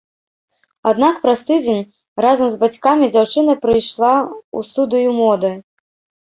Аднак праз тыдзень разам з бацькамі дзяўчына прыйшла ў студыю моды.